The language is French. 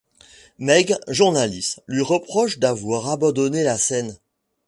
Meg, journaliste, lui reproche d'avoir abandonné la scène.